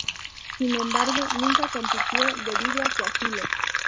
Sin embargo, nunca compitió debido a su asilo.